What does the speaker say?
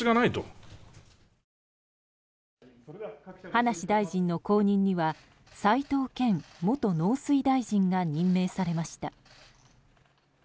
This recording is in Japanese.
葉梨大臣の後任には齋藤健元農水大臣が任命されました。